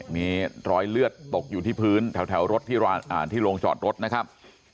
มีรอยเลือดตกอยู่ที่พื้นแถวรถที่โรงจอดรถนะครับ